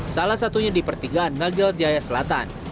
salah satunya di pertigaan nagel jaya selatan